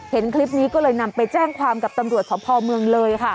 เห็นคลิปนี้ก็เลยนำไปแจ้งความกับตำรวจสพเมืองเลยค่ะ